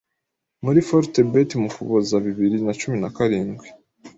muri Fortebet mu Kuboza bibiri nacumi na karindwi